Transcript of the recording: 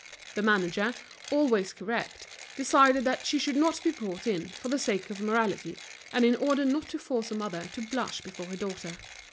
The manager, always correct, decided that she should not be brought in, for the sake of morality, and in order not to force a mother to blush before her daughter.